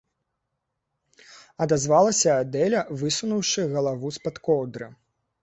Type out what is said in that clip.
- адазвалася Адэля, высунуўшы галаву з-пад коўдры.